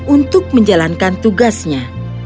untuk menjalankan tugasnya